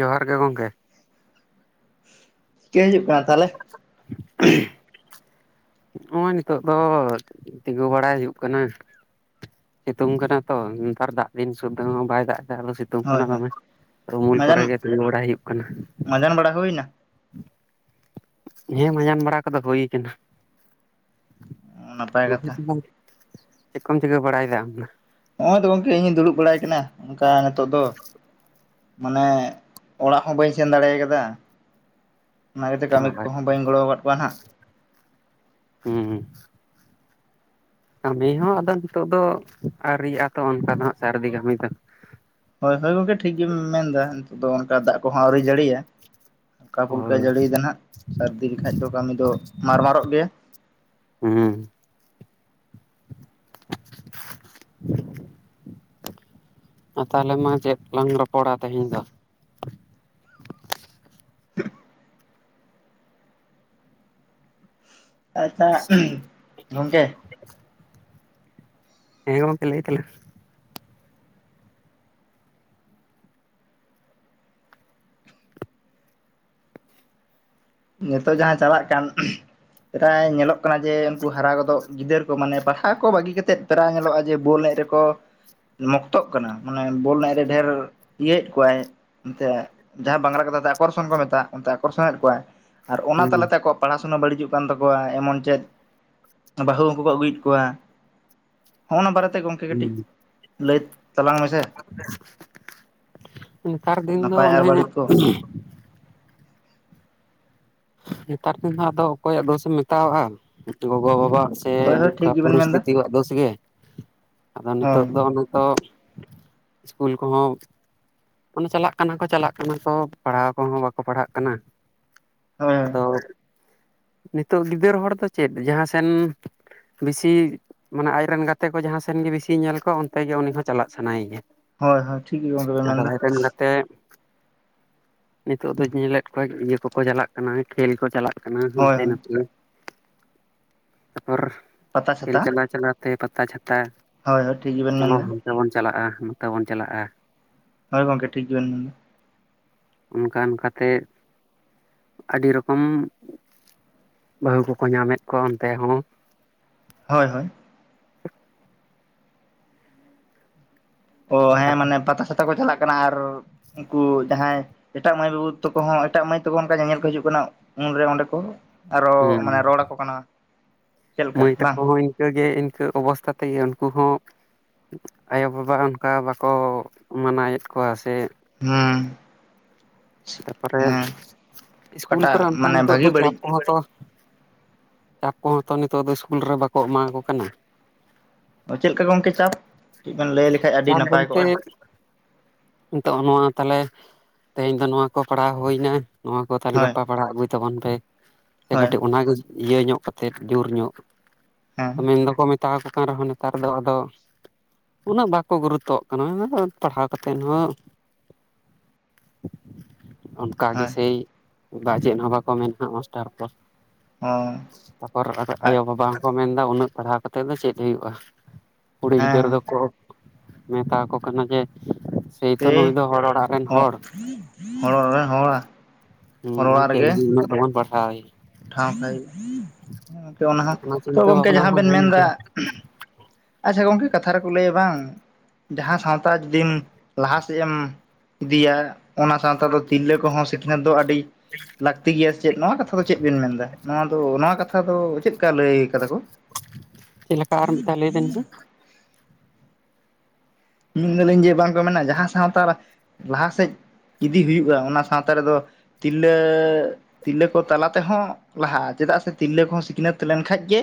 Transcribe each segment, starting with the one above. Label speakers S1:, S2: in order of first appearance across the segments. S1: ᱡᱚᱦᱟᱨ ᱜᱮ ᱜᱚᱝᱠᱮ᱾
S2: ᱪᱮᱜ ᱦᱤᱡᱩᱜ ᱠᱟᱱᱟ ᱛᱟᱦᱚᱞᱮ?
S1: ᱱᱚᱜᱼᱚᱭ ᱱᱤᱛᱳᱜ ᱫᱚ ᱛᱤᱸᱜᱩ ᱵᱟᱲᱟᱭ ᱦᱩᱭᱩᱜ ᱠᱟᱱᱟ᱾ ᱥᱤᱛᱩᱝ ᱠᱟᱱᱟ ᱛᱚ ᱱᱮᱛᱟᱨ ᱫᱟᱜ ᱫᱤᱱ ᱥᱩᱫᱫᱷᱟᱹ ᱦᱚᱸ ᱵᱟᱭ ᱫᱟᱜ ᱮᱟ ᱟᱞᱮ ᱥᱮᱫ᱾ ᱥᱤᱛᱩᱝ
S2: ᱦᱳᱭ
S1: ᱠᱟᱱᱟ
S2: ᱦᱳᱭ
S1: ᱫᱚᱢᱮ ᱟᱫᱚ ᱩᱢᱩᱞ ᱠᱚᱨᱮ ᱜᱮ ᱛᱤᱸᱜᱩ ᱵᱟᱲᱟᱭ ᱦᱩᱭᱩᱜ ᱠᱟᱱᱟ᱾
S2: ᱡᱚᱢ ᱵᱟᱲᱟ ᱦᱩᱭᱱᱟ?
S1: ᱦᱮᱸ ᱢᱟᱡᱟᱱ ᱵᱟᱲᱟ ᱠᱚᱫᱚ ᱦᱩᱭ ᱠᱟᱱᱟ᱾
S2: ᱱᱟᱯᱟᱭ ᱠᱟᱛᱷᱟ
S1: ᱪᱮᱫ ᱠᱚᱢ ᱪᱤᱠᱟᱹ ᱵᱟᱲᱟᱭ ᱫᱟ ᱟᱢ ᱫᱚ?
S2: ᱱᱚᱜᱼᱚᱭ ᱛᱚ ᱜᱚᱝᱠᱮ ᱤᱧᱤᱧ ᱫᱩᱲᱩᱵ ᱵᱟᱲᱟᱭ ᱠᱟᱱᱟ ᱚᱱᱠᱟ ᱱᱤᱛᱚᱜ ᱫᱚ᱾ ᱢᱟᱱᱮ ᱚᱲᱟᱜ ᱦᱚᱸ ᱵᱟᱹᱧ ᱥᱮᱱ ᱫᱟᱲᱮ ᱟᱠᱟᱫᱟ᱾ ᱚᱱᱟᱛᱮ ᱠᱟᱹᱢᱤ ᱠᱚᱦᱚᱸ ᱵᱟᱹᱧ ᱜᱚᱲᱚ ᱟᱠᱟᱫ ᱠᱚᱣᱟ ᱱᱟᱦᱟᱜ᱾
S1: ᱦᱩᱸ ᱠᱟᱹᱢᱤ ᱦᱚᱸ ᱟᱫᱚ ᱱᱤᱛᱚᱜ ᱫᱚ ᱟᱣᱨᱤᱭᱟᱜ-ᱟ ᱛᱚ ᱚᱱᱠᱟ ᱫᱚ ᱦᱟᱸᱜ ᱥᱟᱹᱨᱫᱤ ᱠᱟᱹᱢᱤ ᱫᱚ᱾
S2: ᱦᱳᱭ ᱦᱳᱭ ᱜᱚᱝᱠᱮ ᱴᱷᱤᱠ ᱜᱮᱢ ᱢᱮᱱ ᱫᱟ ᱱᱤᱛᱚᱜ ᱫᱚ ᱚᱱᱠᱟ ᱫᱟᱜ ᱠᱚᱦᱚᱸ ᱟᱹᱣᱨᱤ ᱡᱟᱹᱲᱤᱭᱤᱭᱟ ᱦᱟᱞᱠᱟ ᱯᱩᱞᱠᱟᱹ
S1: ᱦᱳᱭ
S2: ᱡᱟᱹᱲᱤᱭ ᱫᱟᱭ ᱱᱟᱦᱟᱜ᱾ ᱥᱟᱹᱨᱫᱤ ᱞᱮᱠᱷᱟᱡ ᱫᱚ ᱠᱟᱹᱢᱤ ᱫᱚ ᱢᱟᱨ -ᱢᱟᱨᱚᱜ ᱜᱮᱭᱟ᱾
S1: ᱦᱩᱸ ᱟ ᱛᱟᱦᱚᱞᱮ ᱢᱟ ᱪᱮᱫ ᱞᱟᱝ ᱨᱚᱯᱚᱲᱟ ᱛᱮᱦᱮᱧ ᱫᱚ?
S2: ᱟᱪᱷᱟ ᱩᱦᱩᱸ ᱜᱚᱢᱠᱮ
S1: ᱦᱮᱸ ᱜᱚᱢᱠᱮ ᱞᱟᱹᱭ ᱛᱟᱞᱟᱝ
S2: ᱱᱤᱛᱚᱜ ᱡᱟᱦᱟᱸ ᱪᱟᱞᱟᱜ ᱠᱟᱱ ᱩᱦᱸᱼᱼ ᱯᱮᱨᱟᱭ ᱧᱮᱞᱚᱜ ᱠᱟᱱᱟ ᱡᱮ ᱩᱱᱠᱩ ᱦᱟᱨᱟ ᱜᱚᱫᱚᱜ ᱜᱤᱫᱟᱹᱨ ᱠᱚ ᱢᱟᱱᱮ ᱯᱟᱲᱦᱟᱣ ᱠᱚ ᱵᱟᱹᱜᱤ ᱠᱟᱛᱮᱫ ᱯᱮᱨᱟᱭ ᱧᱮᱞᱚᱜᱼᱟ ᱡᱮ ᱵᱚᱞ ᱮᱡ ᱨᱮᱠᱚ ᱢᱚᱠᱛᱚᱜ ᱠᱟᱱᱟ ᱢᱟᱱᱮ ᱵᱚᱞ ᱮᱱᱮᱡᱨᱮ ᱰᱷᱮᱨ ᱤᱭᱟᱹᱭᱮᱫ ᱠᱚᱣᱟᱭ, ᱱᱛᱮ ᱡᱟᱦᱟᱸ ᱵᱟᱝᱨᱟ ᱠᱟᱛᱷᱟ ᱛᱮ ᱟᱠᱚᱨᱥᱚᱱ ᱠᱚ ᱢᱮᱛᱟᱜ ᱚᱱᱛᱮ ᱟᱠᱚᱨᱥᱚᱱᱮᱫ ᱠᱚᱣᱟᱭ, ᱟᱨ
S1: ᱢᱮ᱾
S2: ᱚᱱᱟ
S1: ᱦᱩᱸ
S2: ᱛᱟᱞᱟᱛᱮ ᱟᱠᱚ ᱯᱟᱲᱟ ᱥᱩᱱᱟ ᱵᱟᱹᱲᱤᱡᱚᱜ ᱠᱟᱱ ᱛᱟᱠᱚᱣᱟ ᱮᱢᱚᱱ ᱪᱮᱫ ᱵᱟᱦᱩ ᱦᱚᱸᱠᱩ ᱠᱚ ᱵᱟᱦᱩᱭᱮᱫ ᱠᱚᱣᱟ ᱦᱚᱸᱜᱼ ᱱᱟ ᱵᱟᱨᱮ ᱛᱮ ᱜᱚᱢᱠᱮ ᱠᱟᱹᱴᱤᱡ
S1: ᱦᱩᱸ
S2: ᱞᱟᱹᱭ ᱛᱟᱞᱟᱝ ᱢᱮᱥᱮ
S1: ᱱᱮᱛᱟᱨ ᱫᱤᱱ ᱫᱚ
S2: ᱱᱟᱯᱟᱭ ᱟᱨ
S1: ᱚᱱᱮ
S2: ᱵᱟᱹᱲᱤᱡ ᱠᱚ᱾
S1: ᱮᱛᱟᱨ ᱫᱤᱱ ᱦᱚᱸ ᱟᱫᱚ ᱚᱠᱚᱭᱟᱜ ᱫᱳᱥ ᱮᱢ ᱢᱮᱛᱟᱣᱟᱜᱼᱟ ᱜᱚᱜᱚ ᱵᱟᱵᱟᱣᱟᱜ ᱥᱮ
S2: ᱦᱳᱭ
S1: ᱥᱮ
S2: ᱦᱳᱭ
S1: ᱱᱚᱝᱠᱟ
S2: ᱴᱷᱤᱠ ᱜᱮᱵᱮᱱ ᱢᱮᱱᱫᱟ
S1: ᱯᱚᱨᱤᱥᱛᱤᱛᱤᱣᱟᱜ ᱫᱳᱥ ᱜᱮ? ᱟᱫᱚ
S2: ᱦᱳᱭ
S1: ᱱᱤᱛᱚᱜ ᱫᱚ ᱱᱚᱝᱠᱟ ᱤᱥᱠᱩᱞ ᱠᱚᱦᱚᱸ ᱚᱱᱮ ᱪᱟᱞᱟᱜ ᱠᱟᱱᱟ ᱠᱚ ᱪᱟᱞᱟᱜ ᱠᱟᱱᱟ ᱠᱚ ᱯᱟᱲᱦᱟᱣ ᱠᱚᱦᱚᱸ ᱵᱟᱠᱚ ᱯᱟᱲᱦᱟᱜ ᱠᱟᱱᱟ᱾
S2: [unintelligible]
S1: ᱦᱚ ᱱᱤᱛᱚᱜ ᱜᱤᱫᱟᱹᱨ ᱦᱚᱲ ᱫᱚ ᱪᱮᱫ ᱡᱟᱦᱟᱸ ᱥᱮᱱ ᱵᱤᱥᱤ ᱢᱟᱱᱮ ᱟᱡ ᱨᱮᱱ ᱜᱟᱛᱮ ᱠᱚ ᱡᱟᱦᱟᱸ ᱥᱮᱱ ᱜᱮ ᱵᱮᱥᱤ ᱧᱮᱞ ᱠᱚ ᱚᱱᱛᱮ ᱜᱮ ᱩᱱᱤ ᱦᱚᱸ ᱪᱟᱞᱟᱜ ᱥᱟᱱᱟ ᱮᱭᱟ
S2: ᱦᱚᱭ ᱦᱚᱭ ᱴᱷᱤᱠ ᱜᱮ ᱜᱚᱝᱠᱮ ᱯᱮ ᱢᱮᱱᱫᱟ
S1: ᱛᱮ ᱱᱤᱛᱚᱜ ᱫᱩᱧ ᱧᱮᱞᱮᱫ ᱠᱚᱣᱟ ᱤᱭᱟᱹ ᱠᱚᱠᱚ ᱪᱟᱞᱟᱜ ᱠᱟᱱᱟ ᱠᱷᱮᱞ ᱠᱚ ᱪᱟᱞᱟᱜ ᱠᱟᱱᱟ
S2: ᱦᱳᱭ
S1: ᱦᱟᱱᱛᱮ
S2: ᱦᱳᱭ
S1: ᱱᱟᱛᱮ ᱛᱟᱯᱚᱨ
S2: ᱯᱟᱛᱟ
S1: ᱠᱷᱮᱞ
S2: ᱪᱷᱟᱛᱟ
S1: ᱪᱟᱞᱟᱣ ᱪᱟᱞᱟᱣ ᱛᱮ ᱯᱟᱛᱟ ᱪᱷᱟᱛᱟ
S2: ᱦᱳᱭ ᱦᱳᱭ ᱴᱷᱤᱠ ᱜᱮᱵᱮᱱ ᱢᱮᱱ ᱫᱟ᱾
S1: ᱛᱮᱵᱚᱱ ᱪᱟᱞᱟᱜᱼᱟ ᱱᱚᱛᱮ ᱵᱚᱱ ᱪᱟᱞᱟᱜᱼᱟ᱾
S2: ᱦᱳᱭ ᱜᱚᱢᱠᱮ ᱴᱷᱤᱠ ᱜᱮᱵᱤᱱ ᱢᱮᱱ
S1: ᱚᱱᱠᱟ ᱚᱱᱠᱟ ᱛᱮ ᱟᱹᱰᱤ ᱨᱚᱠᱚᱢ ᱵᱟᱦᱩ ᱠᱚᱠᱚ ᱧᱟᱢᱮᱫ ᱠᱚᱣᱟ ᱚᱱᱛᱮ ᱦᱚᱸ᱾
S2: ᱦᱚᱭ ᱦᱚᱭ ᱚ
S1: ᱟᱨ
S2: ᱦᱮᱸ ᱢᱟᱱᱮ ᱯᱟᱛᱟ ᱪᱷᱟᱛᱟ ᱠᱚ ᱪᱟᱞᱟᱜ ᱠᱟᱱᱟ ᱟᱨ ᱩᱱᱠᱩ ᱡᱟᱦᱟᱸᱭ ᱮᱴᱟᱜ ᱢᱟᱹᱭ ᱵᱟᱹᱵᱩ ᱛᱟᱠᱚᱦᱚᱸ ᱮᱴᱟᱜ ᱢᱟᱹᱭ ᱛᱟᱠᱚ ᱚᱱᱠᱟ ᱧᱮᱧᱮᱞ ᱠᱚ ᱦᱤᱡᱩᱜ ᱠᱟᱱᱟ ᱩᱱᱨᱮ ᱚᱸᱰᱮ ᱠᱚ ᱟᱨᱚ
S1: ᱦᱩᱸ
S2: ᱢᱟᱱᱮ ᱨᱚᱲ ᱟᱠᱚ ᱠᱟᱱᱟ ᱪᱮᱫ
S1: ᱢᱟᱹᱭ
S2: ᱞᱮᱠᱟ ᱵᱟᱝ
S1: ᱛᱟᱠᱚ ᱦᱚᱸ ᱤᱱᱠᱟᱹ ᱜᱮ ᱤᱱᱠᱟᱹ ᱚᱵᱚᱥᱛᱟ ᱛᱮᱜᱮ ᱩᱱᱠᱩ ᱦᱚᱸ ᱟᱭᱚᱵᱟᱵᱟ ᱚᱱᱠᱟ ᱵᱟᱠᱚ ᱢᱟᱱᱟᱭᱮᱫ ᱠᱚᱣᱟ ᱥᱮ
S2: ᱦᱩᱸ
S1: ᱛᱟ ᱯᱚᱨᱮ ᱤᱥᱠᱩᱞ ᱠᱚᱨᱮ
S2: ᱚᱠᱟᱴᱟᱜ
S1: ᱚᱱᱠᱟ
S2: ᱢᱟᱱᱮ
S1: ᱱᱤᱛᱚᱜ ᱫᱚ
S2: ᱵᱷᱟᱹᱜᱤ
S1: ᱪᱟᱯ
S2: ᱵᱟᱹᱲᱤᱡ
S1: ᱠᱚᱦᱚᱸ ᱛᱚ ᱛᱟ ᱯᱚᱨᱮ ᱫᱚ ᱱᱤᱛᱚᱜ ᱫᱚ ᱤᱥᱠᱩᱞ ᱨᱮ ᱵᱟᱠᱚ ᱮᱢᱟ ᱠᱚ ᱠᱟᱱᱟ
S2: ᱪᱮᱫ ᱞᱮᱠᱟ ᱜᱚᱝᱠᱮ ᱪᱟᱯ ᱠᱟᱹᱡ ᱵᱤᱱ ᱞᱟᱹᱭ ᱞᱮᱠᱷᱟᱱ ᱟᱹᱰᱤ
S1: ᱪᱟᱯ
S2: ᱱᱟᱯᱟᱭ
S1: ᱵᱚᱞᱛᱮ
S2: ᱠᱚᱜᱼᱟ
S1: ᱱᱤᱛᱚᱜ ᱚᱸᱜ-ᱱᱚᱣᱟ ᱛᱟᱞᱮ ᱛᱮᱦᱮᱧ ᱫᱚ ᱱᱚᱣᱟ ᱠᱚ ᱯᱟᱲᱦᱟᱣ ᱦᱩᱭ ᱱᱟ ᱱᱚᱣᱟ ᱠᱚ ᱛᱟᱞᱮ
S2: ᱦᱳᱭ
S1: ᱜᱟᱯᱟ ᱯᱟᱲᱦᱟᱣ ᱟᱹᱜᱩᱭ ᱛᱟᱵᱚᱱ ᱯᱮ ᱥᱮ
S2: ᱦᱳᱭ
S1: ᱠᱟᱹᱴᱤᱡ ᱚᱱᱟᱜᱮ ᱤᱭᱟᱹ ᱧᱚᱜ ᱠᱟᱛᱮᱫ ᱡᱩᱨ ᱧᱚᱜ
S2: ᱦᱮᱸ
S1: ᱢᱮᱱ ᱫᱚᱠᱚ ᱢᱮᱱ ᱢᱮᱛᱟᱣᱟᱠᱚ ᱠᱟᱱ ᱨᱮᱦᱚᱸ ᱱᱮᱛᱟᱨ ᱫᱚ ᱟᱫᱚ ᱩᱱᱟᱹᱜ ᱵᱟᱠᱚ ᱜᱩᱨᱩᱛᱚ ᱟᱜ ᱠᱟᱱᱟ [inaudible] ᱯᱟᱲᱦᱟᱣ ᱠᱟᱛᱮ ᱠᱟᱛᱮᱫ ᱦᱚᱸ ᱚᱱᱠᱟ ᱜᱮ
S2: ᱦᱳᱭ
S1: ᱥᱮᱤᱭ ᱵᱟ ᱪᱮᱫ ᱦᱚᱸ ᱵᱟᱠᱚ ᱢᱮᱱ ᱦᱟᱸᱜ ᱢᱟᱥᱴᱟᱨ ᱠᱚ
S2: ᱦᱚᱸ
S1: ᱛᱟᱯᱚᱨ ᱟᱨ ᱟᱭᱚ ᱵᱟᱵᱟ ᱦᱚᱸᱠᱚ ᱢᱮᱱᱫᱟ ᱩᱱᱟᱹᱜ ᱯᱟᱲᱦᱟᱣ ᱠᱟᱛᱮ ᱫᱚ ᱪᱮᱫ ᱦᱩᱭᱩᱜᱼᱟ ᱠᱩᱲᱤ ᱜᱤᱫᱟᱹᱨ
S2: ᱦᱮᱸ
S1: ᱫᱚᱠᱚ ᱢᱮᱛᱟᱣᱠᱚ ᱠᱟᱱᱟ ᱡᱮ ᱥᱮᱭᱛᱚ
S2: ᱥᱮ
S1: ᱱᱩᱭ ᱫᱚ ᱦᱚᱲ ᱚᱲᱟᱜ ᱨᱮᱱ
S2: ᱦᱚᱸᱜ
S1: ᱦᱚᱲ
S2: ᱦᱚᱲ ᱨᱮᱱ ᱦᱚᱲᱟᱜ
S1: ᱦᱮᱸ ᱟᱨ ᱪᱮᱫ ᱞᱟᱹᱜᱤᱫ ᱩᱱᱟᱹᱜ ᱫᱚᱵᱚᱱ ᱯᱟᱲᱦᱟᱣ
S2: ᱴᱷᱟᱶ ᱠᱟᱭ ᱦᱩᱭᱩᱜᱼᱟ ᱜᱚᱢᱠᱮ ᱚᱱᱟ ᱦᱚᱸ
S1: ᱟᱯᱱᱟᱨ
S2: ᱛᱚ
S1: ᱪᱤᱱᱛᱟ
S2: ᱜᱚᱢᱠᱮ
S1: ᱵᱷᱟᱵᱱᱟ ᱦᱚᱸ ᱵᱷᱩᱞ ᱜᱮ
S2: ᱟᱪ ᱪᱷᱟ ᱜᱚᱝᱠᱮ ᱠᱟᱛᱷᱟ ᱨᱮᱠᱚ ᱞᱟᱹᱭᱟ ᱵᱟᱝ ᱡᱟᱦᱟᱸ ᱥᱟᱶᱛᱟ ᱡᱩᱫᱤᱢ ᱞᱟᱦᱟ [inaudible] ᱤᱫᱤᱭᱟᱢ ᱚᱱᱟ ᱥᱟᱶᱛᱟ ᱫᱚ ᱛᱤᱨᱞᱟᱹ ᱠᱚᱦᱚᱸ ᱥᱤᱠᱷᱱᱟᱹᱛ ᱫᱚ ᱟᱹᱰᱤ ᱞᱟᱹᱠᱛᱤ ᱜᱮᱭᱟ ᱥᱮ ᱪᱮᱫ ᱱᱚᱣᱟ ᱠᱟᱛᱷᱟ ᱫᱚ ᱪᱮᱫ ᱵᱤᱱ ᱢᱮᱱᱫᱟ ᱱᱚᱣᱟ ᱫᱚ ᱱᱚᱣᱟ ᱠᱟᱛᱷᱟ ᱫᱚ ᱪᱮᱫ ᱠᱟ ᱞᱟᱹᱭ ᱠᱟᱫᱟ ᱠᱚ
S1: ᱪᱮᱫ ᱞᱮᱠᱟ ᱟᱨ ᱢᱤᱫ ᱫᱷᱟᱣ ᱞᱟᱹᱭ ᱵᱤᱱ ᱥᱮ
S2: ᱢᱮᱱ ᱮᱫᱟᱞᱤᱧ ᱡᱮ ᱵᱟᱝᱠᱚ ᱢᱮᱱᱟ ᱡᱟᱦᱟᱸ ᱥᱟᱶᱛᱟ ᱞᱟᱦᱟ ᱥᱮᱡ ᱤᱫᱤ ᱦᱩᱭᱩᱜᱼᱟ ᱚᱱᱟ ᱥᱟᱶᱛᱟ ᱨᱮᱫᱚ ᱛᱤᱨᱞᱟᱹ ᱛᱤᱨᱞᱟᱹ ᱠᱚ ᱛᱟᱞᱟ ᱛᱮᱦᱚᱸ ᱞᱟᱦᱟᱜᱼᱟ ᱪᱮᱫᱟᱜ ᱥᱮ ᱛᱤᱨᱞᱟᱹ ᱠᱚᱦᱚᱸ ᱥᱤᱠᱷᱱᱟᱹᱛ ᱞᱮᱱ ᱠᱷᱟᱡ ᱜᱮ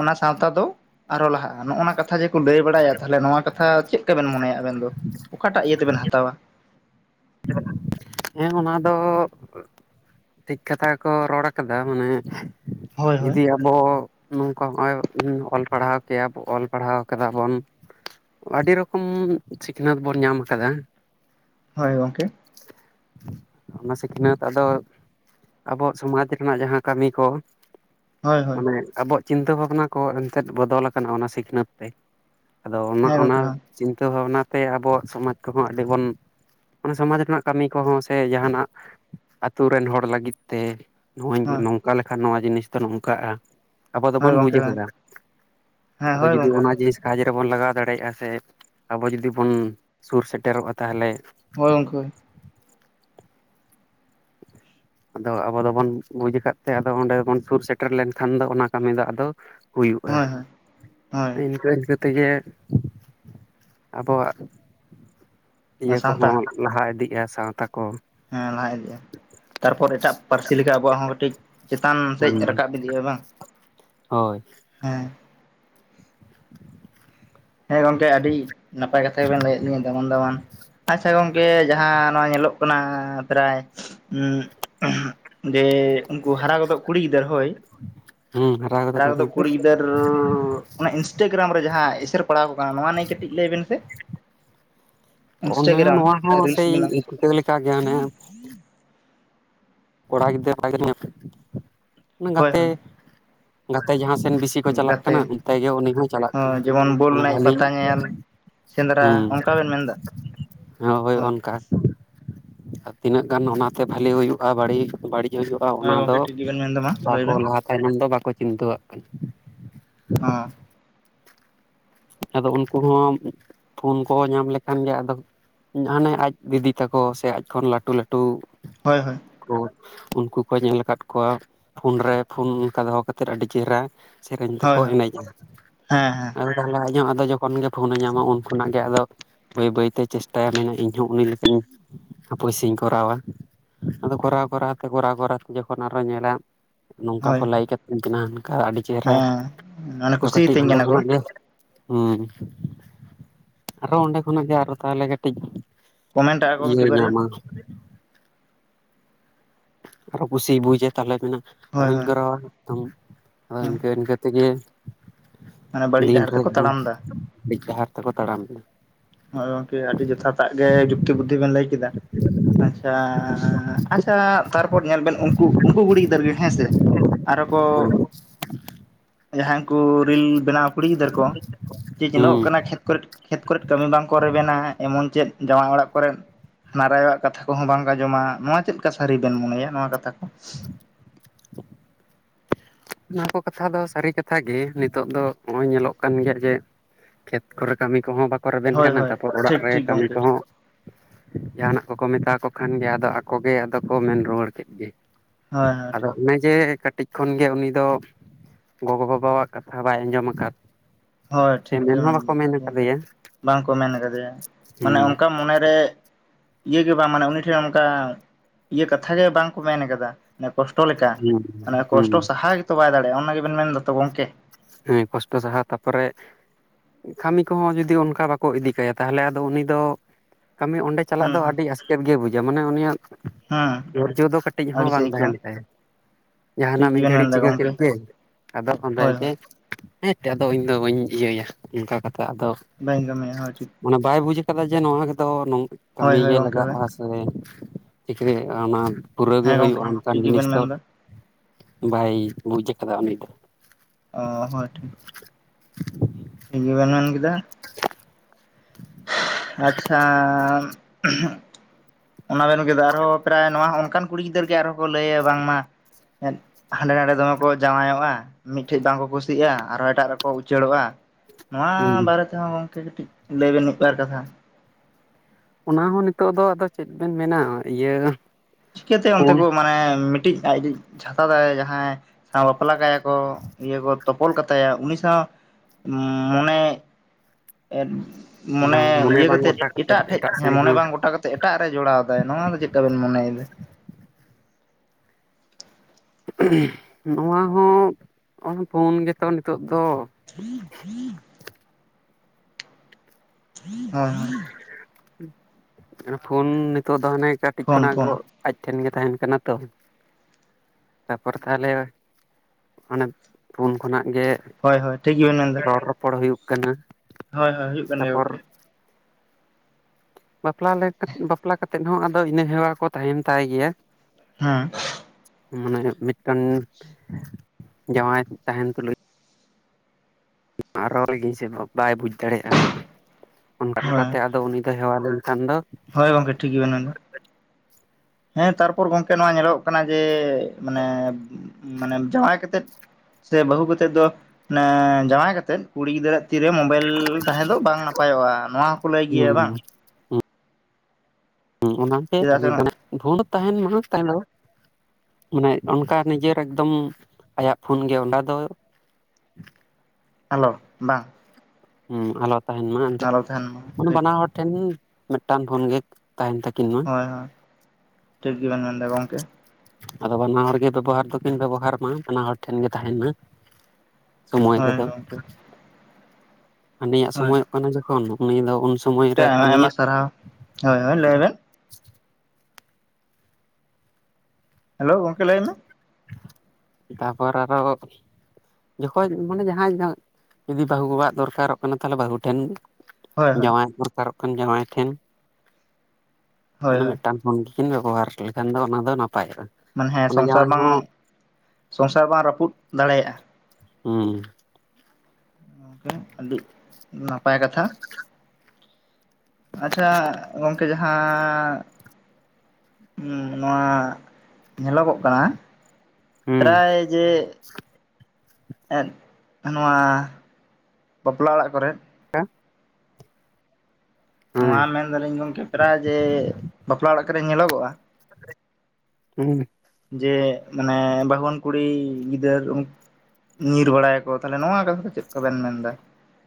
S2: ᱚᱱᱟ ᱥᱟᱶᱛᱟ ᱫᱚ ᱟᱨ ᱦᱚᱸ ᱞᱟᱦᱟᱜᱼᱟ ᱱᱚᱜᱼᱱᱟ ᱠᱟᱛᱷᱟ ᱠᱟᱛᱷᱟ ᱡᱮᱠᱚ ᱞᱟᱹᱭ ᱵᱟᱲᱟᱭᱟ ᱛᱟᱦᱚᱞᱮ ᱱᱚᱣᱟ ᱠᱟᱛᱷᱟ ᱪᱮᱫ ᱠᱟ ᱵᱤᱱ ᱢᱚᱱᱮᱭᱟ ᱟᱵᱤᱱ ᱫᱚ ᱚᱠᱟᱴᱟᱜ ᱤᱭᱟᱹ ᱛᱮᱵᱤᱱ ᱦᱟᱛᱟᱣᱟ
S1: ᱦᱮᱸ ᱚᱱᱟ ᱫᱚ ᱴᱷᱤᱠ ᱠᱟᱛᱷᱟ ᱜᱮ ᱠᱚ ᱨᱚᱲ ᱟᱠᱟᱫᱟ ᱢᱟᱱᱮ
S2: ᱦᱳᱭ ᱦᱳᱭ
S1: ᱡᱩᱫᱤ ᱟᱵᱚ ᱱᱚᱝᱠᱟ ᱦᱚᱸ ᱚᱭ ᱚᱞ ᱯᱟᱲᱦᱟᱣ ᱠᱮᱭᱟ ᱚᱞ ᱯᱟᱲᱦᱟᱣ ᱠᱟᱫᱟ ᱵᱚᱱ ᱟᱹᱰᱤ ᱨᱚᱠᱚᱢ ᱥᱤᱠᱷᱱᱟᱹᱛ ᱵᱚᱱ ᱧᱟᱢ ᱠᱟᱫᱟ
S2: ᱦᱚᱭ ᱜᱚᱢᱠᱮ
S1: ᱚᱱᱟ ᱥᱤᱠᱷᱱᱟᱹᱛ ᱟᱫᱚ ᱟᱵᱚ ᱥᱚᱢᱟᱡᱽ ᱨᱮᱱᱟᱜ ᱡᱟᱦᱟᱸ ᱠᱟᱹᱢᱤ ᱠᱚ
S2: ᱦᱳᱭ ᱦᱳᱭ
S1: ᱢᱟᱱᱮ ᱟᱵᱚᱣᱟᱜ ᱪᱤᱱᱛᱟᱹ ᱵᱷᱟᱵᱱᱟ ᱠᱚ ᱮᱱᱛᱮᱫ ᱵᱚᱫᱚᱞ ᱟᱠᱟᱱᱟ ᱚᱱᱟ ᱥᱤᱠᱷᱱᱟᱹᱛ ᱛᱮ ᱟᱫᱚ ᱚᱱᱟ
S2: ᱦᱮᱸ
S1: ᱚᱱᱟ
S2: ᱜᱚᱝᱠᱮ ᱦᱳᱭ
S1: ᱪᱤᱱᱛᱟᱹ ᱵᱷᱟᱵᱱᱟ ᱛᱮ ᱟᱵᱚᱣᱟᱜ ᱥᱚᱢᱟᱡᱽ ᱠᱚᱦᱚᱸ ᱟᱹᱰᱤᱵᱚᱱ ᱢᱟᱱᱮ ᱥᱚᱢᱟᱡᱽ ᱨᱮᱱᱟᱜ ᱠᱟᱹᱢᱤ ᱠᱚᱦᱚᱸ ᱥᱮ ᱡᱟᱦᱟᱱᱟᱜ ᱟᱛᱩ ᱨᱤᱱ ᱦᱚᱲ ᱞᱟᱹᱜᱤᱫ ᱛᱮ ᱱᱚᱜᱼᱚᱭ
S2: ᱦᱳᱭ
S1: ᱱᱚᱝ ᱠᱟ ᱞᱮᱠᱷᱟᱱ ᱱᱚᱣᱟ ᱡᱤᱱᱤᱥ ᱫᱚ ᱱᱚᱝᱠᱟᱜᱼᱟ? ᱟᱵᱚ
S2: ᱦᱳᱭ
S1: ᱫᱚᱵᱚᱱ ᱵᱩᱡ
S2: ᱜᱚᱝᱠᱮ ᱦᱳᱭ
S1: ᱟᱠᱟᱫᱟ
S2: ᱦᱮᱸ
S1: ᱟᱫᱚ
S2: ᱦᱳᱭ
S1: ᱡᱩᱫᱤ
S2: ᱜᱚᱝᱠᱮ
S1: ᱚᱱᱟ
S2: ᱦᱳᱭ
S1: ᱡᱤᱱᱤᱥ ᱠᱟᱡ ᱨᱮᱵᱚᱱ ᱞᱟᱜᱟᱣ ᱫᱟᱲᱮᱭᱟᱜᱼᱟ ᱥᱮ ᱟᱵᱚ ᱡᱩᱫᱤ ᱵᱩᱱ ᱥᱩᱨ ᱥᱮᱴᱮᱨᱚᱜᱼᱟ ᱛᱟᱦᱟᱞᱮ
S2: ᱦᱳᱭ ᱚᱝᱠᱮ ᱾
S1: ᱟᱫᱚ ᱟᱵᱚ ᱫᱚᱵᱚᱱ ᱵᱩᱡ ᱠᱟᱫ ᱛᱮ ᱟᱫᱚ ᱚᱸᱰᱮ ᱫᱚᱵᱚᱱ ᱥᱩᱨ ᱥᱮᱴᱮᱨ ᱞᱮᱱᱠᱷᱟᱱ ᱫᱚ ᱚᱱᱟ ᱠᱟᱹᱢᱤ ᱫᱚ ᱟᱫᱚ ᱦᱩᱭᱩᱜᱼᱟ
S2: ᱦᱳᱭ ᱦᱳᱭ ᱦᱳᱭ
S1: ᱤᱱᱠᱟᱹ ᱤᱱᱠᱟᱹ ᱛᱮᱜᱮ ᱟᱵᱚᱣᱟᱜ
S2: ᱚᱱᱟ
S1: ᱤᱭᱟᱹ
S2: ᱥᱟᱶᱛᱟ
S1: ᱠᱚᱦᱚᱸ ᱞᱟᱦᱟ ᱤᱫᱤᱜᱼᱟ ᱥᱟᱶᱛᱟ ᱠᱚ
S2: ᱦᱮᱸ ᱞᱟᱦᱟ ᱤᱫᱤᱜᱼᱟ ᱛᱟᱨᱯᱚᱨ ᱮᱴᱟᱜ ᱯᱟᱨᱥᱤ ᱞᱮᱠᱟ ᱟᱵᱚᱣᱟᱜ ᱦᱚᱸ ᱠᱟᱹᱴᱤᱡ ᱪᱮᱛᱟᱱ ᱥᱮᱡ
S1: ᱦᱩᱸ
S2: ᱨᱟᱠᱟᱵ ᱤᱫᱤᱜᱼᱟ ᱵᱟᱝ?
S1: ᱦᱳᱭ ᱾
S2: ᱦᱮᱸ ᱾ ᱦᱮᱸ ᱜᱚᱝᱠᱮ ᱟᱹᱰᱤ ᱱᱟᱯᱟᱭ ᱠᱟᱛᱷᱟ ᱜᱮ ᱵᱮᱱ ᱞᱟᱹᱭ ᱟᱫ ᱞᱤᱧᱟ ᱫᱟᱢᱟᱱ ᱫᱟᱢᱟᱱ ᱟᱪᱪᱷᱟ ᱜᱚᱝ ᱠᱮ ᱡᱟᱦᱟᱸ ᱱᱚᱣᱟ ᱧᱮᱞᱚᱜ ᱠᱟᱱᱟ ᱯᱨᱟᱭ ᱩᱸᱜ ᱡᱮ ᱩᱱᱠᱩ ᱦᱟᱨᱟ ᱜᱚᱫᱚᱜ ᱠᱩᱲᱤ ᱜᱤᱫᱟᱹᱨ, ᱦᱳᱭ ᱾
S1: ᱦᱩᱸ ᱠᱟᱛᱮ
S2: ᱦᱟᱨᱟ ᱜᱚᱫᱚᱜ
S1: ᱜᱤᱫᱽᱨᱟᱹ
S2: ᱠᱩᱲᱤ ᱜᱤᱫᱟᱹᱨᱻ ᱚᱱᱟ ᱤᱱᱥᱴᱟᱜᱨᱟᱢ ᱨᱮ ᱡᱟᱦᱟᱸ ᱮᱥᱮᱨ [inaudible] ᱱᱚᱣᱟ ᱠᱚ ᱠᱟᱱᱟ ᱱᱚᱣᱟ ᱱᱤᱭᱮ ᱠᱟᱹᱴᱤᱡ ᱞᱟᱹᱭ ᱵᱮᱱ ᱥᱮ?
S1: ᱚᱱᱟ
S2: ᱤᱱᱥᱴᱟᱜᱨᱟᱢ
S1: ᱱᱚᱣᱟ ᱦᱚᱸ
S2: ᱨᱤᱞᱥ
S1: ᱥᱮᱭ
S2: ᱵᱮᱱᱟᱣ ᱾
S1: ᱤᱱᱠᱟᱹ ᱞᱮᱠᱟᱜᱮ ᱦᱟᱱᱮ ᱠᱚᱲᱟ [inaudible]
S2: ᱦᱳᱭ
S1: ᱜᱟᱛᱮ
S2: ᱦᱳᱭ
S1: ᱜᱟᱛᱮ ᱡᱟᱦᱟᱸ ᱥᱮᱱ ᱵᱤᱥ ᱛᱤ ᱠᱚ ᱪᱟᱞᱟᱜ
S2: ᱜᱟᱛᱮ
S1: ᱠᱟᱱᱟ ᱚᱱᱛᱮ ᱜᱮ ᱩᱱᱤ ᱦᱚᱸ ᱪᱟᱞᱟᱜ
S2: ᱦᱳᱭ
S1: ᱠᱟᱱᱟ
S2: ᱡᱮᱢᱚᱱ ᱵᱚᱞ
S1: ᱢᱟᱱᱮ
S2: ᱮᱱᱮᱡ
S1: ᱵᱷᱟᱹᱞᱤ
S2: ᱯᱟᱛᱟ ᱧᱮᱞ
S1: ᱦᱩᱸ
S2: ᱥᱮᱸᱫᱽᱨᱟ
S1: ᱾
S2: ᱚᱱᱠᱟ ᱵᱮᱱ ᱢᱮᱱᱫᱟ
S1: ᱦᱮ ᱦᱳᱭ ᱚᱱᱠᱟ ᱛᱤᱱᱟᱹᱜ ᱜᱟᱱ ᱚᱱᱟ ᱛᱮ ᱵᱟᱹᱞᱤ ᱦᱩᱭᱩᱜᱼᱟ ᱵᱟᱹᱲᱤᱡ ᱵᱟᱹᱲᱤᱡ [inaudible]
S2: ᱦᱳᱭ
S1: ᱚᱱᱟ ᱫᱚ
S2: ᱜᱚᱝᱠᱮ ᱴᱷᱤᱠ ᱜᱮᱵᱮᱱ ᱢᱮᱱᱫᱟ ᱢᱟ ᱞᱟᱹᱭ
S1: ᱵᱟᱠᱚ ᱞᱟᱦᱟ ᱛᱟᱭᱱᱚᱢ ᱫᱚ ᱵᱟᱠᱚ ᱪᱤᱱᱛᱟᱹᱣᱟᱜ ᱠᱟᱱᱟ ᱾
S2: ᱚᱸ ᱾
S1: ᱟᱫᱚ ᱩᱱᱠᱩ ᱦᱚᱸ ᱯᱷᱳᱱ ᱠᱚ ᱧᱟᱢ ᱞᱮᱠᱷᱟᱱ ᱜᱮ ᱟᱫᱚ ᱾ ᱦᱟᱱᱮ ᱟᱡ ᱫᱤᱫᱤ ᱛᱟᱠᱚ ᱥᱮ ᱟᱡ ᱠᱷᱚᱱ ᱞᱟᱹᱴᱩ ᱞᱟᱹᱴᱩ
S2: ᱦᱳᱭ-ᱦᱳᱭ ᱾
S1: ᱠᱩ ᱩᱱᱠᱩ ᱠᱚ ᱧᱮᱞ ᱟᱠᱟᱫ ᱠᱚᱣᱟ ᱯᱷᱳᱱ ᱨᱮ ᱯᱷᱳᱱ ᱚᱱᱠᱟ ᱫᱚᱦᱚ ᱠᱟᱛᱮᱫ ᱟᱹᱰᱤ ᱪᱮᱦᱮᱨᱟ ᱾ ᱥᱮᱨᱮᱧ
S2: ᱦᱳᱭ
S1: ᱛᱮᱠᱚ
S2: ᱦᱳᱭ
S1: ᱮᱱᱮᱡᱼᱟ,
S2: ᱦᱮᱸ
S1: [inaudible]
S2: ᱦᱮᱸ
S1: ᱛᱟᱦᱚᱸᱞᱮ ᱠᱷᱟᱡ ᱦᱮᱸ ᱟᱫᱚ ᱡᱚᱠᱷᱚᱱ ᱜᱮ ᱯᱷᱳᱱ ᱮ ᱧᱟᱢᱟ ᱩᱱ ᱠᱷᱚᱱᱟᱜ ᱜᱮ ᱟᱫᱚ ᱵᱟᱹᱭ ᱵᱟᱹᱭ ᱛᱮ ᱪᱮᱥᱴᱟᱭᱟ ᱢᱮᱱᱟ ᱤᱧ ᱦᱚᱸ ᱩᱱᱤ ᱞᱮᱠᱟᱧ ᱦᱟᱯᱳᱭ ᱥᱮᱧ ᱠᱚᱨᱟᱣᱟ ᱟᱫᱚ ᱠᱚᱨᱟᱣ ᱠᱚᱨᱟᱣ ᱛᱮ ᱠᱚᱨᱟᱣ ᱠᱚᱨᱟᱣ ᱛᱮ ᱡᱚᱠᱷᱚᱱ ᱟᱨᱦᱚ ᱧᱮᱞᱟ ᱾ ᱱᱚᱝᱠᱟ
S2: ᱦᱳᱭ
S1: ᱠᱚ ᱞᱟᱹᱭᱤᱠ ᱟᱹᱛᱤᱧ ᱠᱟᱱᱟ ᱚᱱᱠᱟ ᱟᱹᱰᱤ ᱪᱮᱦᱮᱨᱟ
S2: ᱦᱮᱸ ᱢᱟᱱᱮ
S1: ᱟᱫᱚ ᱠᱟᱹᱴᱤᱡ
S2: ᱠᱩᱥᱤᱭᱟᱛᱤᱧ
S1: ᱚᱸᱰᱮ
S2: ᱠᱟᱱᱟ ᱠᱚ
S1: ᱠᱷᱚᱱᱟᱜ ᱜᱮ ᱦᱩᱸ ᱟᱨᱦᱚ ᱚᱸᱰᱮ ᱠᱷᱚᱱᱟᱜ ᱜᱮ ᱟᱨᱚ ᱛᱟᱦᱚᱞᱮ ᱠᱟ ᱴᱤᱡ
S2: ᱠᱚᱢᱮᱱᱴᱟᱜᱼᱟ ᱠᱚ
S1: ᱤᱭᱟᱹ
S2: ᱢᱤᱫᱴᱤᱡ
S1: ᱱᱟ
S2: ᱵᱟᱨᱭᱟ
S1: ᱚᱱᱟ ᱾ ᱟᱨᱦᱚ ᱠᱩᱥᱤᱭ ᱵᱩᱡᱟ ᱛᱟᱦᱚᱞᱮ ᱢᱮᱱᱟ
S2: ᱦᱳᱭ
S1: ᱟᱨᱚᱧ
S2: ᱦᱳᱭ
S1: ᱠᱚᱨᱟᱣᱟ ᱮᱛᱚᱢ
S2: ᱦᱳᱭ
S1: ᱤᱱᱠᱟᱹ ᱤᱱᱠᱟᱹ ᱛᱮᱜᱮ
S2: ᱢᱟᱱᱮ ᱵᱟᱹᱲᱤᱡ
S1: ᱫᱤᱱ
S2: ᱰᱟᱦᱟᱨ
S1: ᱨᱮ
S2: ᱛᱮᱠᱚ ᱛᱟᱲᱟᱢ ᱫᱟ
S1: [inaudible] ᱰᱟᱦᱟᱨ ᱛᱮᱠᱚ ᱛᱟᱲᱟᱢ ᱤᱫᱤᱭ
S2: ᱦᱮ ᱜᱚᱝᱠᱮ ᱟᱹᱰᱤ ᱡᱚᱛᱷᱟᱛᱟᱜ ᱜᱮ ᱡᱩᱠᱛᱤ ᱵᱩᱫᱽᱫᱷᱤ ᱵᱮᱱ ᱞᱟᱹᱭ ᱠᱮᱫᱟ ᱾ ᱟᱪᱪᱷᱟ ᱟᱪᱪᱷᱟ ᱛᱟᱨᱯᱚᱨ ᱧᱮᱞ ᱵᱮᱱ ᱾ ᱩᱱᱠᱩ-ᱩᱱᱠᱩ ᱠᱩᱲᱤ ᱜᱤᱫᱤᱫᱟᱹᱨ ᱜᱮ ᱦᱮᱸᱥᱮ ᱟᱨᱦᱚ ᱠᱚ ᱡᱟᱦᱟᱸᱭ ᱩᱝᱠᱩ ᱨᱤᱞ ᱵᱮᱱᱟᱣ ᱠᱩᱲᱤ ᱜᱤᱫᱟᱹᱨ ᱠᱚ ᱪᱮ ᱡᱮᱱᱚᱜᱚᱜ
S1: ᱦᱩᱸ
S2: ᱠᱟᱱᱟ ᱠᱷᱮᱛ ᱠᱚᱨᱮᱫ ᱠᱷᱮᱛ ᱠᱚᱨᱮᱫ ᱠᱟᱹᱢᱤ ᱵᱟᱝ ᱠᱚ ᱨᱮᱵᱮᱱᱟ ᱮᱢᱚᱱ ᱪᱮᱫ ᱡᱟᱶᱟᱭ ᱚᱲᱟᱜ ᱠᱚᱨᱮᱫ ᱦᱟᱱᱟᱨ ᱟᱭᱳᱼᱟᱜ ᱠᱟᱛᱷᱟ ᱠᱚᱦᱚᱸ ᱵᱟᱝ ᱠᱟᱸᱡᱚᱢᱟ ᱱᱚᱣᱟ ᱪᱮᱫ ᱞᱮᱠᱟ ᱥᱟᱹᱨᱤ ᱵᱮᱱ ᱢᱚᱱᱮᱭᱟ ᱱᱚᱣᱟ ᱠᱟᱛᱷᱟ ᱠᱚ?
S1: ᱱᱚᱣᱟ ᱠᱚ ᱠᱟᱛᱷᱟ ᱫᱚ ᱥᱟᱹᱨᱤ ᱠᱟᱛᱷᱟ ᱜᱮ ᱱᱤᱛᱚᱜ ᱫᱚ ᱦᱚᱜᱼᱚᱭ ᱧᱮᱞᱚᱜ ᱠᱟᱱ ᱜᱮᱭᱟ ᱡᱮ ᱠᱷᱮᱛ ᱠᱚᱨᱮ ᱠᱟᱹᱢᱤ ᱠᱚᱦᱚᱸ ᱵᱟᱠᱚ ᱨᱮᱵᱮᱱ
S2: ᱦᱳᱭ
S1: ᱠᱟᱱᱟ
S2: ᱦᱳᱭ
S1: ᱛᱟᱯᱚᱨ ᱚᱲᱟᱜ
S2: ᱴᱷᱤᱠ
S1: ᱨᱮ
S2: ᱴᱷᱤᱠ
S1: ᱠᱟᱹᱢᱤ
S2: ᱜᱚᱢᱠᱮ
S1: ᱠᱚᱦᱚᱸ ᱡᱟᱦᱟᱱᱟᱜ ᱠᱚᱠᱚ ᱢᱮᱛᱟ ᱠᱚ ᱠᱷᱟᱱ ᱜᱮ ᱟᱫᱚ ᱟᱠᱚ ᱜᱮ ᱟᱫᱚ ᱠᱚ ᱢᱮᱱ ᱨᱩᱣᱟᱹᱲ ᱠᱮᱫ ᱜᱮ ᱾
S2: ᱦᱳᱭ ᱦᱳᱭ
S1: ᱟᱫᱚ
S2: ᱴᱷᱤᱠ
S1: ᱚᱱᱮ ᱡᱮ ᱠᱟᱹᱴᱤᱡ ᱠᱷᱚᱱᱜᱮ ᱩᱱᱤ ᱛᱚ ᱜᱚ-ᱜᱚ ᱵᱟᱵᱟᱣᱟᱜ ᱠᱟᱛᱷᱟ ᱵᱟᱭ ᱟᱸᱡᱚᱢ ᱟᱠᱟᱫ ᱾
S2: ᱦᱳᱭ ᱴᱷᱤᱠ ᱜᱮᱭᱟ ᱜᱚᱢᱠᱮ
S1: ᱟᱠᱟᱫᱮᱭᱟ
S2: ᱵᱟᱝᱠᱚ ᱢᱮᱱ ᱠᱟᱫᱮᱭᱟ ᱢᱟᱱᱮ
S1: ᱦᱩᱸ
S2: ᱚᱱᱠᱟ ᱢᱚᱱᱮᱨᱮ ᱤᱭ ᱜᱮ ᱵᱟᱝ ᱢᱟᱱᱮ ᱩᱱᱤ ᱴᱷᱮᱱ ᱚᱱᱠᱟ ᱤᱭᱟᱹ ᱠᱟᱛᱷᱟ ᱜᱮ ᱵᱟᱝ ᱠᱚ ᱢᱮᱱ ᱠᱟᱫᱟ᱾ ᱮ ᱠᱚᱥᱴᱚ ᱞᱮᱠᱟ
S1: ᱦᱩᱸ
S2: ᱢᱟᱱᱮ
S1: ᱦᱩᱸ
S2: ᱠᱚᱥᱴᱚ ᱥᱟᱦᱟ ᱜᱮᱛᱚ ᱵᱟᱭ ᱫᱟᱲᱮᱭᱟᱜᱼᱟ᱾ ᱚᱱᱟ ᱜᱮᱵᱮᱱ ᱢᱮᱱ ᱮᱫᱟ ᱛᱚ ᱜᱚᱢᱠᱮ?
S1: ᱦᱮᱸ ᱠᱚᱥᱴᱚ ᱥᱟᱦᱟᱣ ᱛᱟᱯᱚᱨᱮ ᱠᱟᱹᱢᱤ ᱠᱚᱦᱚᱸ ᱡᱩᱫᱤ ᱚᱱᱠᱟ ᱵᱟᱠᱚ ᱤᱫᱤ ᱠᱟᱭᱟ ᱛᱟᱦᱚᱞᱮ ᱟᱫᱚ ᱩᱱᱤ ᱫᱚ ᱠᱟᱹᱢᱤ ᱚᱸᱰᱮ ᱪᱟᱞᱟᱜ
S2: ᱦᱩᱸ
S1: ᱫᱚ
S2: ᱦᱩᱸ
S1: ᱟᱹᱰᱤ ᱟᱥᱠᱮᱛ ᱜᱮ ᱵᱩᱡᱟ ᱢᱟᱱᱮ ᱩᱱᱤᱭᱟᱜ
S2: ᱦᱩᱸ
S1: ᱚᱨᱡᱚ ᱫᱚ ᱠᱟᱹᱴᱤᱡ ᱦᱚᱸ
S2: ᱟᱹᱲᱤᱥᱮ
S1: ᱵᱟᱝ ᱛᱟᱦᱮᱱ
S2: ᱟᱹᱭᱠᱟᱹᱣᱟ
S1: ᱞᱮᱠᱟᱭᱟ ᱾
S2: ᱴᱷᱤᱠ
S1: ᱡᱟᱦᱟᱱᱟᱜ ᱢᱤᱫ
S2: ᱜᱮᱵᱮᱱ
S1: ᱜᱷᱟᱹᱲᱤᱡ
S2: ᱢᱮᱱᱫᱟ
S1: ᱪᱤᱠᱟᱹ ᱠᱮᱫ
S2: ᱜᱚᱢᱠᱮ
S1: ᱯᱮᱱ ᱟᱫᱚ ᱚᱸᱰᱮ
S2: ᱦᱳᱭ
S1: ᱜᱮ
S2: ᱦᱳᱭ
S1: ᱦᱮᱸᱛ, ᱟᱫᱚ ᱤᱧᱫᱚ ᱵᱟᱹᱧ ᱤᱭᱟᱹᱭᱟ ᱱᱚᱝᱠᱟ ᱠᱟᱛᱮᱜ ᱟᱫᱚ
S2: ᱵᱟᱧ ᱠᱟᱹᱢᱤᱭᱟ, ᱦᱳᱭ ᱴᱷᱤᱠ ᱾
S1: ᱢᱟᱱᱮ ᱵᱟᱭ ᱵᱩᱡ ᱠᱟᱫᱟ ᱡᱮ ᱱᱚᱣᱟ ᱜᱮᱫᱚ ᱱᱚ-ᱠᱟᱹᱢᱤ
S2: ᱦᱳᱭ ᱦᱳᱭ
S1: ᱜᱮ
S2: ᱜᱚᱝᱠᱮ ᱦᱳᱭ
S1: ᱞᱟᱜᱟᱜᱼᱟ ᱾ [unintelligible] ᱟ-ᱚᱱᱟ ᱯᱩᱨᱟᱹ ᱜᱮ
S2: ᱦᱮᱸ
S1: ᱦᱩᱭᱩᱜᱼᱟ
S2: ᱜᱚᱝᱠᱮ ᱦᱮᱸ
S1: ᱚᱱᱠᱟᱱ
S2: ᱴᱷᱤᱠ
S1: ᱡᱤᱱᱤᱥ
S2: ᱜᱮᱵᱮᱱ
S1: ᱛᱚ
S2: ᱢᱮᱱᱫᱟ
S1: ᱾ ᱵᱟᱭ ᱵᱩᱡ ᱠᱟᱫᱟ ᱩᱱᱤ ᱫᱚ᱾
S2: ᱚ ᱦᱳᱭ ᱴᱷᱤᱠ᱾ ᱴᱷᱤᱠ ᱜᱮ ᱵᱮᱱ ᱢᱮᱱ ᱠᱮᱫᱟ᱾
S1: [unintelligible]
S2: ᱟᱪᱪᱷᱟ᱾ ᱚᱱᱟ ᱵᱮᱱ ᱠᱮᱫᱟ ᱟᱨᱦᱚᱸ ᱯᱨᱟᱭ ᱱᱚᱣᱟ ᱚᱱᱠᱟᱱ ᱠᱩᱲᱤ ᱜᱤᱫᱽᱟᱹᱨ ᱜᱮ ᱟᱨᱦᱚᱸ ᱠᱚ ᱞᱟᱹᱭᱟ ᱵᱟᱝᱢᱟ ᱮᱸᱫ ᱦᱟᱸᱰᱮ ᱱᱟᱰᱮ ᱫᱚᱢᱮ ᱠᱚ ᱡᱟᱶᱟᱭᱚᱜᱼᱟ᱾ ᱢᱤᱫᱴᱷᱮᱱ ᱵᱟᱝᱠᱚ ᱠᱩᱥᱤᱜᱼᱟ ᱟᱨᱦᱚᱸ ᱮᱴᱟᱜ ᱨᱮᱠᱚ ᱩᱪᱟᱹᱲᱚᱜᱼᱟ᱾
S1: ᱦᱩᱸ
S2: ᱱᱚᱣᱟ ᱵᱟᱨᱮ ᱛᱮᱦᱚᱸ ᱜᱚᱝᱠᱮ ᱠᱟᱹᱴᱤᱡ ᱞᱟᱹᱭ ᱵᱮᱱ ᱢᱤᱫᱵᱟᱨ ᱠᱟᱛᱷᱟ᱾
S1: ᱚᱱᱟ ᱦᱚᱸ ᱱᱤᱛᱚᱜ ᱫᱚ ᱟᱫᱚ ᱪᱮᱫ ᱵᱮᱱ ᱢᱮᱱᱟ ᱤᱭᱟᱹ
S2: ᱪᱤᱠᱟᱹᱛᱮ ᱚᱱᱛᱮ
S1: ᱯᱷᱳᱱ
S2: ᱠᱚ ᱢᱟᱱᱮ ᱢᱤᱫᱴᱤᱡ ᱟᱡᱤᱡ ᱪᱷᱟᱛᱟ ᱫᱟᱨᱮ ᱡᱟᱦᱟᱸᱭ ᱥᱟᱶ ᱵᱟᱯᱞᱟ ᱠᱟᱭᱟ ᱠᱚ ᱤᱭᱟᱹ ᱠᱚ ᱛᱚᱯᱚᱞ ᱠᱟᱛᱟᱭᱟ ᱩᱱᱤ ᱥᱟᱶ ᱢᱚᱱᱮ ᱮᱱ ᱢᱚᱱᱮ
S1: ᱵᱟᱝ
S2: ᱤᱭᱟᱹ
S1: ᱵᱟᱝ
S2: ᱠᱟᱛᱮᱫ
S1: ᱜᱚᱴᱟ
S2: ᱮᱴᱟᱜ ᱴᱷᱮᱡ
S1: ᱥᱮᱱ
S2: ᱦᱮᱸ ᱢᱚᱱᱮ
S1: ᱦᱚᱸ
S2: ᱵᱟᱝ ᱜᱚᱴᱟ ᱠᱟᱛᱮᱫ ᱮᱴᱟᱜ ᱨᱮ ᱡᱚᱲᱟᱣ ᱫᱟᱭ ᱱᱚᱣᱟ ᱫᱚ ᱪᱤᱠᱠᱟᱹ ᱵᱮᱱ ᱢᱚᱱᱮᱭᱮᱫᱟ?
S1: ᱱᱚᱣᱟ ᱦᱚᱸᱜ ᱚᱱᱟ ᱯᱷᱳᱱ ᱜᱮᱛᱚ ᱱᱤᱛᱳᱜ ᱫᱚ
S2: [inaudible] ᱦᱮᱸ ᱦᱮᱸ
S1: ᱯᱷᱳᱱ ᱱᱤᱛᱚᱜ ᱫᱚ ᱦᱟᱱᱮ ᱠᱟᱹᱴᱤᱡ
S2: ᱯᱷᱳᱱ
S1: ᱠᱷᱚᱱᱟᱜ ᱜᱚ
S2: ᱯᱷᱳᱱ
S1: ᱟᱡ ᱴᱷᱮᱱ ᱜᱮ ᱛᱟᱦᱮᱱ ᱠᱟᱱᱟ ᱛᱚ᱾ ᱛᱟᱯᱚᱨ ᱛᱟᱦᱚᱞᱮ ᱚᱱᱮ ᱯᱷᱩᱱ ᱠᱷᱚᱱᱟᱜ ᱜᱮ᱾
S2: ᱦᱳᱭ ᱦᱳᱭ ᱴᱷᱤᱠ ᱜᱮᱵᱮᱱ ᱢᱮᱱ ᱮᱫᱟ᱾
S1: ᱨᱚᱲ ᱨᱚᱯᱚᱲ ᱦᱩᱭᱩᱜ ᱠᱟᱱᱟ᱾
S2: ᱦᱳᱭ ᱦᱳᱭ ᱦᱩᱭᱩᱜ ᱠᱟᱱ ᱜᱮᱭᱟ
S1: ᱛᱟᱯᱚᱨ
S2: ᱜᱚᱢᱠᱮ᱾
S1: ᱵᱟᱯᱞᱟ ᱞᱮᱱ ᱠᱟ ᱵᱟᱯᱞᱟ ᱠᱟᱛᱮᱫ ᱦᱚᱸ ᱟᱫᱚ ᱤᱱᱟᱹ ᱦᱮᱣᱟ ᱠᱚ ᱛᱟᱦᱮᱱ ᱛᱟᱭ ᱜᱮᱭᱟ᱾
S2: ᱦᱮᱸ
S1: ᱢᱟᱱᱮ ᱦᱩᱭᱩᱜ ᱢᱤᱫᱴᱟᱝ ᱡᱟᱶᱟᱭ ᱛᱟᱦᱮᱱ ᱛᱩᱞᱩᱡ ᱟᱨᱚ ᱞᱮᱸᱜᱮᱧ ᱥᱮ ᱵᱷᱚᱸ ᱵᱟᱭ ᱵᱩᱡᱽ ᱫᱟᱲᱮᱭᱟᱜᱼᱟ ᱦᱟᱸᱜ ᱚᱱᱠᱟ
S2: ᱦᱳᱭ
S1: ᱞᱮᱠᱟᱛᱮᱫᱚ ᱩᱱᱤ ᱦᱮᱣᱟ ᱞᱮᱱᱠᱷᱟᱱ ᱫᱚ
S2: ᱦᱳᱭ ᱜᱚᱝᱠᱮ ᱴᱷᱤᱠ ᱜᱮᱵᱮᱱ ᱢᱮᱱ ᱮᱫᱟ᱾ ᱦᱮᱸ ᱛᱟᱨᱯᱚᱨ ᱜᱚᱝᱠᱮ ᱱᱚᱣᱟ ᱧᱮᱞᱚᱜ ᱠᱟᱱᱟ ᱡᱮ ᱢᱟᱱᱮ ᱢᱟᱱᱮ ᱡᱟᱶᱟᱭ ᱠᱟᱛᱮᱜ ᱥᱮ ᱵᱟᱹᱦᱩ ᱠᱟᱛᱮᱜ ᱫᱚ ᱢᱟᱱᱮ ᱡᱟᱶᱟᱭ ᱠᱟᱛᱮᱜ ᱠᱩᱲᱤ ᱜᱤᱫᱽᱨᱟᱹ ᱛᱤᱨᱮ ᱢᱳᱵᱟᱭᱤᱞ ᱛᱟᱦᱮᱸ ᱫᱚ ᱵᱟᱝ ᱱᱟᱯᱟᱭᱚᱜᱼᱟ᱾ ᱱᱚᱣᱟ ᱦᱚᱸᱠᱚ ᱞᱟᱹᱭ ᱜᱮᱭᱟ ᱵᱟᱝ?
S1: ᱦᱩᱸ ᱦᱩᱸ ᱚᱱᱟᱛᱮ
S2: ᱪᱮᱫᱟᱜ ᱥᱮ
S1: ᱠᱷᱟᱞᱤ ᱫᱚ ᱦᱟᱸᱜ ᱯᱷᱩᱱ ᱫᱚ ᱛᱟᱦᱮᱱ ᱢᱟ ᱛᱟᱦᱮᱱ ᱫᱚ ᱢᱟᱱᱮ ᱚᱱᱠᱟ ᱱᱤᱡᱮᱨ ᱮᱠᱫᱚᱢ ᱟᱭᱟᱜ ᱯᱷᱳᱱ ᱜᱮ ᱚᱱᱟᱸ ᱫᱚ
S2: ᱦᱮᱞᱳ ᱵᱟᱝ
S1: ᱦᱮᱸ ᱟᱞᱚ ᱛᱟᱦᱮᱱ ᱢᱟ ᱮᱱᱛᱮᱜ
S2: ᱟᱞᱚ ᱛᱟᱦᱮᱱ ᱢᱟ
S1: ᱢᱟᱱᱮ
S2: ᱴᱷᱤᱠ
S1: ᱵᱟᱱᱟ ᱦᱚᱲ ᱴᱷᱮᱱ ᱢᱤᱫᱴᱟᱝ ᱯᱷᱳᱱ ᱜᱮ ᱛᱟᱦᱮᱱ ᱛᱟᱹᱠᱤᱱ ᱢᱟ᱾
S2: ᱦᱳᱭ ᱦᱳᱭ ᱴᱷᱤᱠ ᱜᱮᱵᱮᱱ ᱢᱮᱱᱫᱟ ᱜᱚᱢᱠᱮ᱾
S1: ᱟᱫᱚ ᱵᱟᱱᱟ ᱦᱚᱲ ᱜᱮ ᱵᱮᱵᱚᱦᱟᱨ ᱫᱚᱠᱤᱱ ᱵᱮᱵᱚᱦᱟᱨ ᱢᱟ ᱵᱟᱱᱟ ᱦᱚᱲ ᱴᱷᱮᱱ ᱜᱮ ᱛᱟᱦᱮᱱ ᱢᱟ᱾ ᱥᱚᱢᱚᱭ ᱨᱮᱫᱚ
S2: ᱦᱳᱭ ᱜᱚᱝᱠᱮ
S1: ᱩᱦᱟᱹᱱᱤᱭᱟᱜ
S2: ᱦᱳᱭ
S1: ᱥᱳᱢᱚᱭᱚᱜ ᱠᱟᱱᱟ ᱡᱚᱠᱷᱚᱱ ᱩᱱ ᱥᱚᱢᱚᱭ
S2: ᱜᱚᱝᱠᱮ
S1: ᱨᱮ
S2: ᱟᱭᱢᱟ ᱟᱭᱢᱟ
S1: ᱟᱹᱱᱤᱭᱟᱜ
S2: ᱥᱟᱨᱦᱟᱣ ᱦᱳᱭ ᱦᱳᱭ ᱞᱟᱹᱭ ᱵᱮᱱ ᱦᱮᱞᱳ ᱜᱚᱢᱠᱮ ᱞᱟᱹᱭ ᱢᱮ᱾
S1: ᱛᱟᱨᱯᱚᱨ ᱟᱨᱦᱚ ᱡᱚᱠᱷᱚᱡ ᱢᱟᱱᱮ ᱡᱟᱦᱟᱸᱭ ᱡᱩᱫᱤ ᱵᱟᱹᱦᱩ ᱠᱚᱲᱟᱣᱟᱜ ᱫᱚᱨᱠᱟᱨᱚᱜ ᱠᱟᱱᱟ ᱛᱟᱦᱚᱞᱮ ᱵᱟᱹᱦᱩ ᱴᱷᱮᱱ
S2: ᱦᱳᱭ ᱦᱳᱭ
S1: ᱡᱟᱶᱟᱭ ᱫᱚᱨᱠᱟᱨᱚᱜ ᱠᱟᱱ ᱡᱟᱶᱟᱭ ᱴᱷᱮᱱ
S2: ᱦᱳᱭ
S1: ᱚᱱᱟ
S2: ᱦᱳᱭ
S1: ᱢᱤᱫᱴᱟᱝ ᱵᱷᱟᱜᱤ ᱠᱤᱱ ᱵᱮᱵᱚᱦᱟᱨ ᱞᱮᱠᱷᱟᱱ ᱫᱚ ᱚᱱᱟ ᱫᱚ ᱱᱟᱯᱟᱭᱚᱜᱼᱟ᱾
S2: ᱢᱟᱱᱮ ᱦᱮᱸ
S1: ᱚᱱᱟ
S2: ᱥᱚᱝᱥᱟᱨ
S1: ᱡᱟᱶᱟᱭ
S2: ᱵᱟᱝ
S1: ᱦᱚᱸ
S2: ᱥᱚᱝᱥᱟᱨ ᱵᱟᱝ ᱨᱟᱹᱯᱩᱫ ᱫᱟᱲᱮᱭᱟᱜᱼᱟ᱾
S1: ᱦᱩᱸ
S2: ᱜᱚᱝᱠᱮ ᱟᱹᱰᱤ ᱱᱟᱯᱟᱭ ᱠᱟᱛᱷᱟ᱾ ᱟᱪᱪᱷᱟ ᱜᱚᱝᱠᱮ ᱡᱟᱦᱟᱸ ᱦᱩᱸ ᱱᱚᱣᱟ ᱧᱮᱞᱚᱜᱚᱜ ᱠᱟᱱᱟ᱾
S1: ᱦᱩᱸ
S2: ᱯᱨᱟᱭ ᱡᱮ ᱮᱸᱫ ᱱᱚᱣᱟ ᱵᱟᱯᱞᱟ ᱚᱲᱟᱜ ᱠᱚᱨᱮ
S1: [inaudible]
S2: ᱱᱚᱣᱟ
S1: ᱦᱮᱸ
S2: ᱢᱮᱱᱫᱟᱞᱤᱧ ᱜᱚᱢᱠᱮ ᱯᱮᱨᱟᱭ ᱡᱮ ᱵᱟᱯᱞᱟ ᱚᱲᱟᱜ ᱠᱚᱨᱮ ᱧᱮᱞᱚᱜᱚᱜᱼᱟ?
S1: ᱦᱩᱸ
S2: ᱡᱮ ᱢᱟᱱᱮ ᱵᱟᱹᱦᱩᱣᱟᱱ ᱠᱩᱲᱤ ᱜᱤᱫᱟᱹᱨ ᱩᱱ ᱧᱤᱨ ᱵᱟᱲᱟᱭᱟ ᱠᱚ ᱛᱟᱦᱚᱞᱮ ᱱᱚᱣᱟ ᱠᱟᱛᱷᱟ ᱫᱚ ᱪᱮᱫ ᱠᱚ ᱵᱮᱱ ᱢᱮᱱ ᱫᱟ?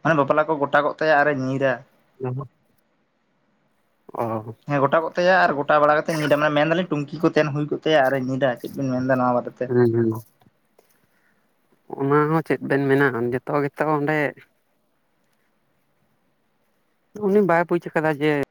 S2: ᱢᱟᱱᱮ ᱵᱟᱯᱞᱟ ᱠᱚ ᱜᱚᱴᱟᱚᱜ ᱛᱟᱭᱟ ᱟᱨᱮ ᱧᱤᱨᱟ᱾
S1: ᱚ [inaudible] ᱚ
S2: ᱦᱮᱸ ᱜᱚᱴᱟ ᱠᱚᱜ ᱛᱟᱭᱟ ᱟᱨ ᱜᱚᱴᱟ ᱵᱟᱲᱟ ᱠᱟᱛᱮ ᱧᱤᱫᱟᱹ ᱢᱟᱱ ᱢᱮᱱ ᱫᱟᱞᱤ ᱴᱩᱱᱠᱤ ᱠᱚ ᱛᱟᱦᱮᱱ ᱦᱩᱭ ᱠᱚᱜ ᱛᱟᱭ ᱟᱨ ᱧᱤᱫ ᱪᱮᱫ ᱵᱮᱱ ᱮᱫᱟ ᱱᱚᱣᱟ ᱵᱟᱨᱮ ᱛᱮ?
S1: ᱦᱩᱸᱻᱦᱩᱸ ᱚᱱᱟ ᱦᱚᱸ ᱪᱮᱫ ᱵᱮᱱ ᱢᱮᱱᱟ ᱡᱷᱚᱛᱚ ᱜᱮᱛᱚ ᱚᱸᱰᱮ ᱩᱱᱤ ᱵᱟᱭ ᱵᱩᱡ ᱟᱠᱟᱫᱟ ᱡᱮ